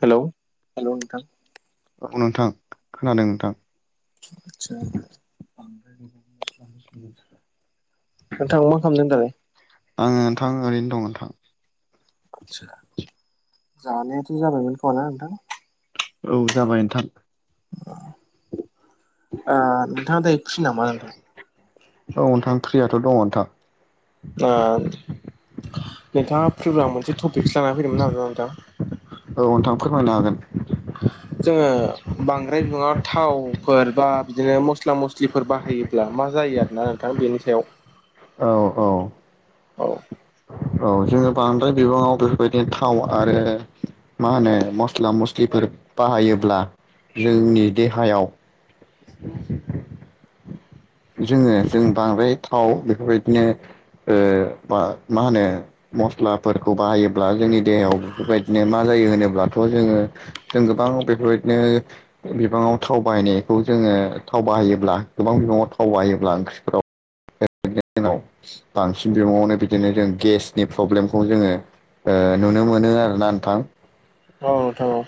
हेल' hello नोंथां। औ नोंथां खोनादों नोंथां। आदसा [unintelligible] नोंथां मा खालामदों दालाय? आङो नोंथां ओरैनो दं नोंथां। आदसा जानायाथ' जाबायमोन खा नोंथां। औ जाबाय नोंथां [unintelligible] ओ नोंथाङा दा थ' दङ नोंथां ओ नोंथाङा फ्रिबा मोनसे टपिकसो लाना फैदोंमोन आरोना नोंथां? औ नोंथां फोरमायनो हागोन। जोङो बांद्राय बिबाङाव थावफोर बा बिदिनो मस्ला मस्लिफोर बाहायोब्ला मा जा यो आरोना नोंथां बेनि सायाव। औ औ औ औ जोङो बांद्राय बिबाङाव बेफोरबायदिनो थाव आरो मा होनो मस्ला मस्लिफोर बाहायोब्ला जोंनि देहायाव [inaudible] जोङो जों बांद्राय थाव बेफोरबायदिनो ओ बा मा होनो मस्लाफोरखौ बाहायोब्ला जोंनि देहायाव बेफोरबायदिनो मा जायो जायो होनोब्लाथ' जोङो जों गोबां बेफोरबायदिनो बिबाङाव थाव बायनायखौ जोङो ओ थाव बाहायोब्ला गोबां बिबाङाव थाव बाहायोब्ला ओंख्रिफोराव [unintelligible] बांसिन बिबांवनो बिदिनो जों गेसनि प्रब्लेमखौ जोङो ओ नुनो मोनो आरो ना नोंथां। औ नोंथां औ।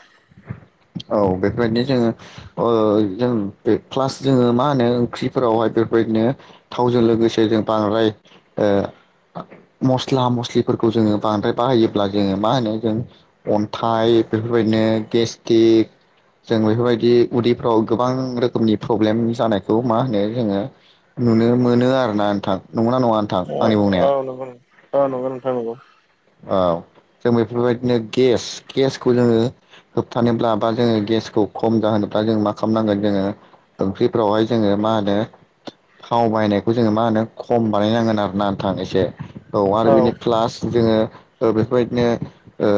औ बेफोरबायदिनो जोङो ओ जों बे क्लास जोङो मा होनो ओंख्रि फोरावहाय बेफोरबायदिनो थावजों लोगोसे जों बांद्राय ओ मस्ला मस्लिफोरखौ जोङो बांद्राय बाहायोब्ला जोङो मा होनो जों अन्थाइ बेफोरबायदिनो गेस्टिक जों बेफोरबायदि उदैफ्राव गोबां रोखोमनि प्रब्लेम जानायखौ मा होनो जोङो नुनो मोनो आरोना नोंथां। नंगौना नङा नोंथां? औ आंनि बुंनाया नंगौ ओं, औ नंगौ नोंथां औ। औ। जों बेफोरबायदिनो गेस गेसखौ जोङो होबथानोब्ला बा जोङो गेसखौ खम जाहोनो ब्ला जों मा खालामनांगोन जोङो ओंख्रिफ्रावहाय जोङो मा होनो थाव बायनायखौ जोङो मा होनो खम बानायनांगोन आरो ना नोंथां एसे औ आरो बिनि प्लास जोङो ओ बेफोरबायदिनो ओ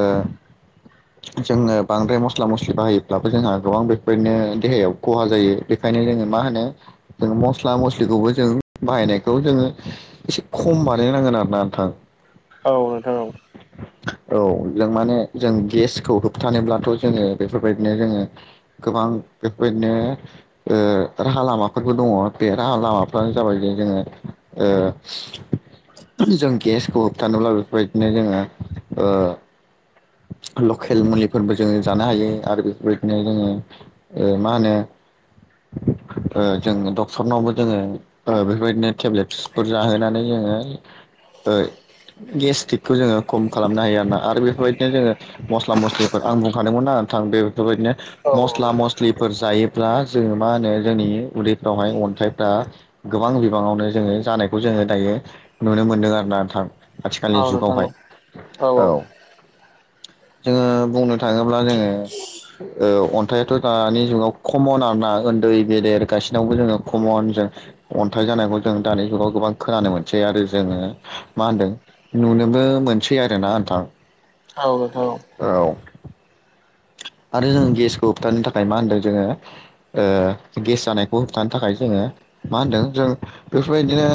जोङो बांद्राय मस्ला मस्लि बाहायोब्लाबो जोंहा गोबां बेफोरनो देहायाव खहा जायो। बे खायनो जों मा होनो जों मस्ला मस्लिखौबो जों बाहायनायखौ जोङो एसे खम बानायनांगोन आर ना नोंथां। औ [unintelligible] औ जों माने जों गेसखौ होबथानोब्लाथ' जोङो बेफोरबायदिनो जोङो गोबां बां बेफोरबायदिनो ओ राहा लामाफोरबो दङ। बे राहा लामाफ्रानो जाबाय जे जोङो ओ जों गेसखौ होबथानोब्ला बेफोरबाय दिनो जोङो ओ [inaudible] लकेल मुलिफोरबो जोङो जानो हायो आरो बेफोरबायदिनो जोङो ओ मा होनो [inaudible] ओ जों डक्टरनावबो जोङो बेफोरबायदिनो टेब्लेटसफोर जाहोनानै जोङो ओ गेस्टिकखौ जोङो खम खालामनो हायो आरोना आरो बेफोरबाय दिनो जोङो मस्ला मस्लिफोर आं बुंखादोंमोन ना नोंथां बेफोरबायदिनो औ मस्ला मस्लिफोर जायो ब्ला जोङो मा होनो जोंनि उदैफ्रावहाय अन्थाइफ्रा गोबां बिबाङावनो जोङो जानायखौ जोङो दायो नुनो मोनदों आरो नोंथां औ आथिखालनि नोंथां जुगावहाय औ। [inaudible] जोङो बुंनो थाङोब्ला जोङो ओ अन्थाइथ' दानि जुनाव खमन आरोना उन्दै गेदेर गासिनावबो जोङो खमन ओ अन्थाइ जानायखौ जों दानि जुगाव गोबां खोनानो मोनसै आरो जोङो मा होनदों नुनोबो मोनसै आरोना नोंथां। औ औ। [inaudible] आरो जों गेसखौ होबथानो थाखाय मा होनदों जोङो ओ गेस जानायखौ होबथानो थाखाय जोङो मा होनदों जों बेफोरबायदिनो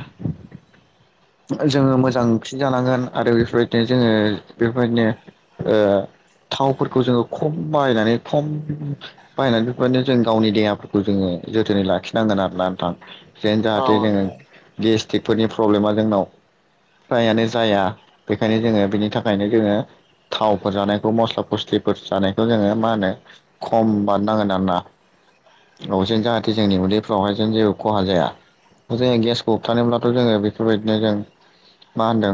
[inaudible] जोङो मोजां ओंख्रि जानांगोन आरो बेफोरबायदिनो जोङो बेफोरबायदिनो ओ थावफोरखौ जोङो खम बायनानै खम बाहायनानै बेफोरबादिनो जों गावनि देहाफोरखौ जोङो जोथोनै लाखिनांगोन आरोना नोंथां जेन औ जाहाथे जोङो गेस्टिकफोरनि प्रब्लेमा जोंनाव फ्रायानो जाया बेखायनो जोङो बेनि थाखायनो जोङो थावफोर जानायखौ मस्ला मस्लिफोर जानायखौ जोङो मा होनो खम बानायनांगोन आरोना। औ जेन जाहाथे जोंनि उन्दैफ्रावहाय जों जेबो खहा जाया जोङो गेसखौ होबथानोब्लाथ' जोङो बेफोरबायदिनो जों मा होनदों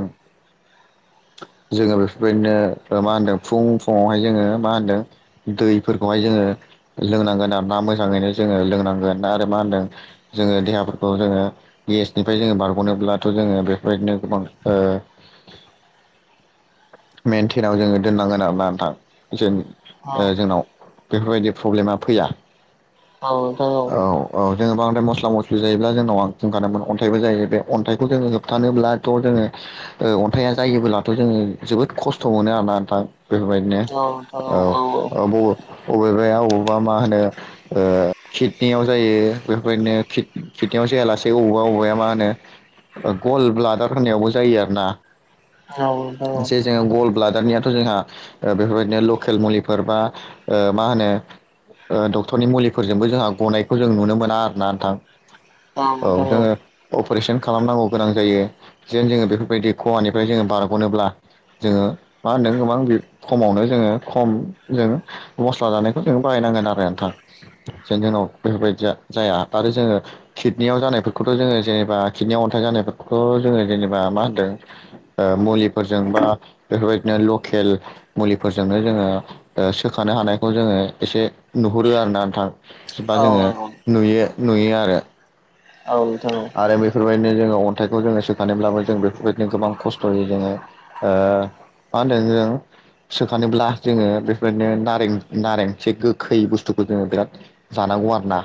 [inaudible] जोङो बेफोरबायदिनो मा होनदों फुं फुुंवहाय जोङो मा होनदों दैफोरखौहाय जोङो ङो लोंनांगोन आरो ना मोजाङैनो जोङो लोंनांगोन आरो मा होनदों जोङो देहाफोरखौ जोङो ओ गेसनिफ्राय जोङो बारग'नोब्ला थ ओ जोङो बेफोरदिनो गोबां ओ मेनटेनाव जोङो दोननांगोन आरोना नोंथां जों औ ओ जोंनाव बेफोरबायदि फ्रब्लेमा फैया औ नंगौ। जो बांद्राय मस्ला मस्लि जायोब्ला जोंनाव आ बुंखानोमोन अन्थाइबो जायो बे अन्थाइखौ जोङो होबथानोब्लाथ' जोङो ओ अन्थाइया जायोबोलाथ' जोङो जोबोद खस्थ' मोनो आरोना नोंथां। बेफोरबायदिनो औ नोंथां औ औ औ ब अबेबाया अबेबा मा होनो ओ खिदनियाव जायो बेफोरबायदिनो खिद खिदनियाव जायालासे अबावबा अबावबाया मा होनो गल ब्लादार होननायावबो जायो आरोना। औ औ जे जों ओ गलब्लादा नियाथ' जोंहा ओ बेफोरबायदिनो लकेल मुलिफोर बा ओ मा होनो ओ डक्टरनि मुलिफोरजोंबो जोंहा गनायखौ जों नुनो मोना आरोना नोंथां। औ जोङो अपारेसन खालामनांगौ गोनां जायो जेन जोङो बेफोरबायदि खहानिफ्राय जोङो बारग'नोब्ला जोङो मा होनदों गोबां बि खमावनो जोङो खम जों मस्ला जानायखौ जों बाहायनांगोन आरो नोंथां जेन जोंनियाव बेफोरबायदिया जाया आरो जोङो किडनिआव जानायफोरखौ बेंखौथ' जोंङो जेनेबा किडनियाव अनथाय जानायफोरखौथ' जोङो जेनबा मा होनदों ओ मुलि फोर जों बा बेफोरबायदिनो लकेल मुलिफोरजोंनो जोङो ओ सोखानो हानायखौ जोङो एसे नुहुरो आरो ना नोंथां जेनबा औ जोङो नंगौ नुयो नुयो आरो [inaudible] आरो बैफोरबायदिनो जोङो अन्थाइखौ जोङो सोखानोब्लाबो जों बेफोरबायदिनो गोबां खस्थ'यै जोङो ओ मा होनदों जों सोखानोब्ला जोङो बेफोरदिनो नारें नारें एसे गोखै बुस्थु खौ जोंङो बिराद जानांगौ आरोना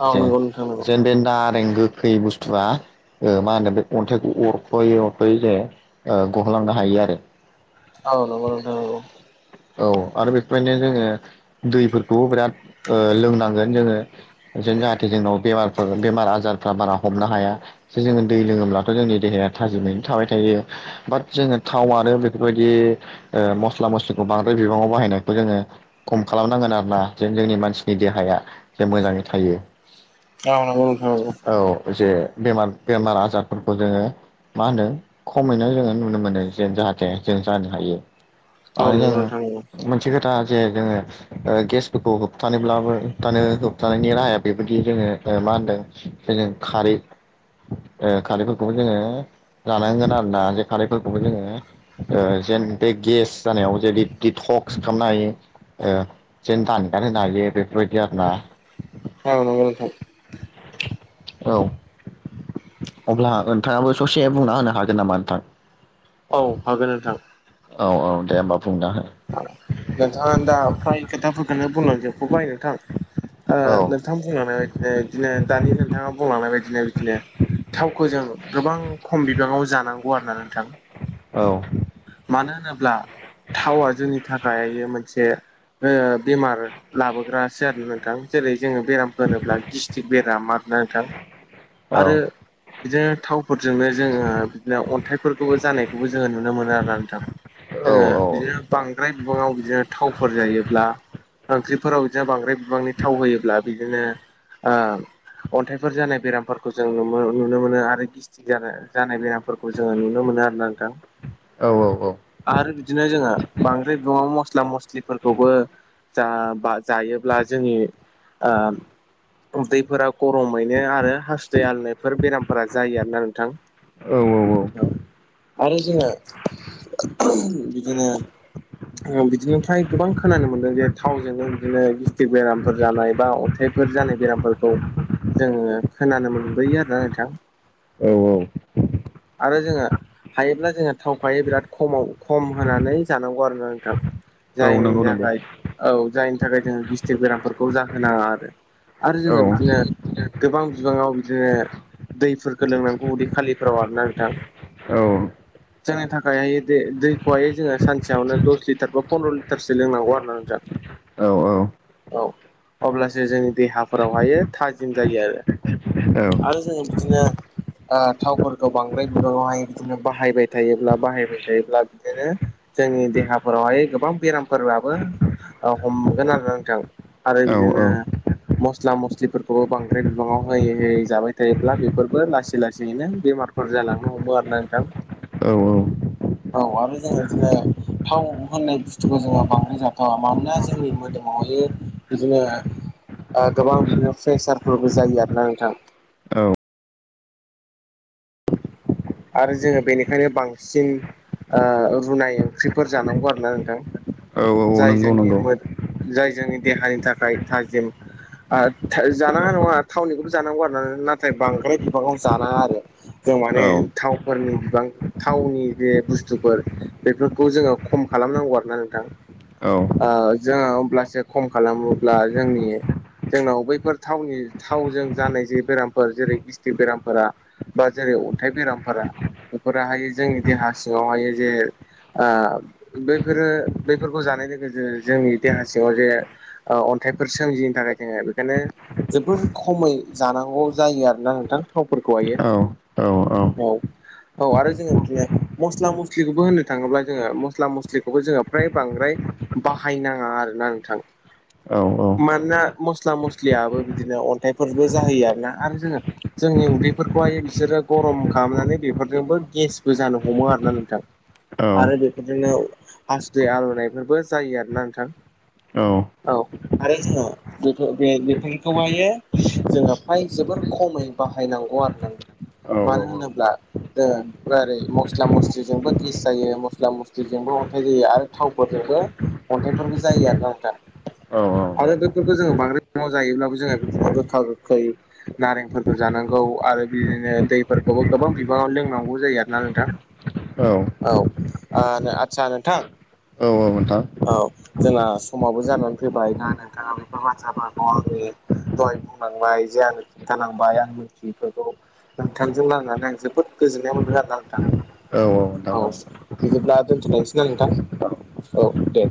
औ जेन नंगौ नोंथां नंगौ जेन बे नारें गोख खै बुस्थुआ ओ मा होनो बे अन्थाइखौ अरफ'यै अरफ'यै जे ओ गहोलांनो हायो आरो औ नंगौ नोंथां नंगौ। औ आरो बेफोरबादिनो जोङो दैफोरखौ बिराद ओ लोंनांगोन जोङो जे जाहाथे जोंनाव बेमारफोर बेमार आजारफ्रा बारा हमनो हाया जोङो दै लोङोब्लाथ' जोंनि देहाया थाजि मैनो थाबाय थायो बाथ जोङो थाव आरो बेफोरबायदि ओ मस्ला मस्लिखौ बांद्राय बिबाङाव बाहायनायखौ जोङो खम खालामनांगोन आरो ना जेन जोंनि मानसिनि देहाया जे मोजाङै थायो। औ नंगौ नोंथां नंगौ। औ जे बेमार बेमार आजारफोरखौ जोङो मा होनदों खमैनो जोङो नुनो मोनो जे जाहाथे जों जानो हायो नंगौ औ आरो जों नंगौ नोंथां मोनसे खोथा जे जोङो ओ गेसफोरखौ होबथानोब्लाबो होबथानो होबथानायनि राहाया बेबायदि जोङो ओ मा होनदों जेजों खारै खारैफोरखौबो जोङो जानांगोन आरोना। खारायफोरखौबो जोङो ओ जेन बे गेस जानायाव जेरै दिडटक्स खालामनो हायो। ओ जेन दानगार होनो हायो बेफोरबायदि आरो ना। औ नोंगौ नोंथां। औ। अब्ला नोंथाङाबो ससे बुंना होनो हागोन नामा नोंथां। औ हागोन नोंथां। औ औ दे होमबा बुंना हो। औ बुंलांजोबफ'बाय नोंथां। ओ औ नोंथां बुंलांनाय बायदिनो बिदिनो दानि नोंथाङा बुंलांनाय बायदिनो बिदिनो। थावखौ जों गोबां खम बिबाङाव जानांगौ आरो ना नोंथां। औ मानो होनोब्ला थावआ जोंनि थाखाय मोनसे ओ बेमार लाबोग्रासो आरो नोंथां जेरै जोङो बेराम होनोब्ला गिस्थिक बेराम आरो ना नोंथां औ आरो बिदिनो थाव फोरजोंनो जोङो बिदिनो अन्थाइफोरखौबो जानायखौबो जोङो नुनो मोनो आरो ना नोंथां। औ जोङो बिदिनो बांद्राय बिबाङाव बिदिनो थावफोर जायोब्ला ओंख्रिफोराव बिदिनो बांद्राय बिबांनि थाव होयोब्ला बि बिदिनो ओ अन्थाइफोर जानाय बेराम फोरफोरखौ जों नुनो मोनो आरो गिस्थिक जाना जानाय बेरामफोरखौ जोङो नुनो मोनो आरो ना नोंथां। औ औ। आरो बिदिनो जोङो बांद्राय बिबाङाव मस्ला मस्लिफोरखौबो। जा बा जायोब्ला जोंनि ओ दैफोरा गरमैनो आरो हासुदै आलुनायफोर बेरामफोरा जायो आरोना औ नोंथां। आरो जों। बिदिनो बिदिनोफ्राय गोबां खोनानो मोन्दों जे थावजोंनो बिदिनो गिस्टिक बेरामफोर जानाय बा अन्थाइ फोर जानाय बेरामफोरखौ जोङो खोनानो मोनबोयो आरोना नोंथां। औ औ आरो जोङो हायोब्ला जोंहा थावखौहाय बिराद खमाव खम होनानै जानांगौ आरो ना नोंथां। औ जायनि नंगौ नंगौ थाखाय औ जायनि थाखाय जोंङो गस्थिक बेरामफोरखौ जाहोनाङा आरो आरो औ जोङो बिदिनो गोबां बिबाङाव बि जोङो दैफोरखौ लोंनांगौ उदै खालिफोराव आर ना नोंथां। औ जोंनि थाखायहाय दै दैखौहाय जोङो सानसेयावनो दस लिटार बा पन्द्र' लिटारसो लोंनांगौ आरो ना नोंथाङां। औ। औ अब्लासो जोंनि देहाफोरावहायो थाजिम जायो आरो औ आरो जों बिदिनो ओ थावफोरखौ बांद्राय बिबांआवहाय बिदिनो बाहायबाय थायोब्ला बाहायबाय थायोब्ला बिदिनो जोंनि देहाफोरावहाय गोबां बेरामफोराबो हमगोन आरो नोंथां। आरो औ बिदिनो मस्ला मस्लिफोरखौबो बांद्राय बिबाङाव होयै होयै जाबाय थायोब्ला बेफोरबो लासै लासैनो बेमारफोर जालांनो हमो आरो ना नोंथां। औ औ आरो जोंङो इदिनो थाव होननाय बुस्थुखौ जोङो बांद्राय जाथावा मानोना जोंनि मोदोमावहाय बिदिनो ओ गोबां बिदिनो प्रेसारफोरबो जायो आरो ना नोंथां? औ आरो जोङो बेनिखायनो बांसिन आ रुनाय ओंख्रिफोर जानांगौ आरो ना नोंथां औ औ जाय नंगौ जोंनि नंगौ मो जाय जोंनि देहानि थाखाय थाजिम आ था जानाङा नङा थावनिखौबो जानांगौ आरो ना नाथाय बांद्राय बिबांङाव जानाङा आरो। [unintelligible] माने औ थावफोरनि बिबां थावनि बे बुस्थुफोर बेफोरखौ जोङो खम खालामनांगौ आरो ना नोंथां? औ ओ जोङो अब्लासो खम खालामोब्ला जोंनि जोंनाव बैफोर थावनि थावजों जानाय जे बेरामफोर जेरै गिस्थिक बेरामफोरा बा जेरै अन्थाइ बेरामफोरा बेफोराहाय जोंनि देहा सिङावहाय जे आ बेफोरो बैफोरखौ जानायजों जोंङो जोंनि देहा सिङाव जे अ' अन्थाइफोर सोमजियैनि थाखाय जोङो बेखायनो जोबोर खमै जानांगौ जायो आरो ना नोंथां थावफोरखौहायो। औ-औ। औ औ आरो जोङो बिदिनो मस्ला-मस्लिखौबो होननो थाङोब्ला जोङो मस्ला-मस्लिखौबो जोङो फ्राय बांद्राय बाहायनाङा आरोना नोंथां? औ औ मानोना मस्ला-मस्लियाबो बिदिनो अन्थाइफोरबो जाहोयो आरोना आरो जोङो जोंनि उदैफोरखौहाय बिसोरो गरम खालामनानै बेफोरजोंबो गेसबो जानो हमो आरोना नोंथां? आरो बेफोरजोंनो हासुदै आरल'नायफोरबो जायो आरो ना नोंथां? औ आरो जोङो बे-बे-बेफोरखौहायो जोङो फ्राय जोबोर खम खमै बाहायनांगौ आरो ना नोंथां? मानो होनोब्ला [unintelligible] ओरै मस्ला-मस्लिजोंबो गेस जायो मस्ला-मस्लिजोंबो अन्थाइ जायो आरो थावफोरजोंबो अन्थाइफोरबो जायो आरोना नोंथां? आरो बेफोरखौ जोङो बांद्राय बिबाङाव जायोब्लाबो जोङो गोखा-गोखै नारेंफोरखो जानांगौ आरो बिदिनो दैफोरखौबो गोबां बिबाङाव लोंनांगौ जायो आरो ना नोंथां? औ आ आदसा नोंथां नोंथां औ जोंना समाबो जानानै फैबाय दा नोंथाङा बेफोर बाथ्राफोरखौ आंनि दहाय बुंलांबाय जे आंनो खिन्थानांबाय आं मिथियिफोरखौ। नोंथांजों रायलायनानै आं जोबोद गोजोननाय मोनबाय आरो ना नोंथां? औ बिदिब्ला दोन्थ'लायनोसै ना नोंथां औ दे।